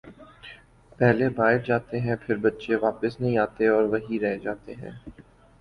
پہلے باہر جا تے ہیں پھر بچے واپس نہیں آتے اور وہیں رہ جاتے ہیں